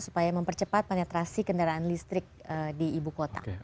supaya mempercepat penetrasi kendaraan listrik di ibu kota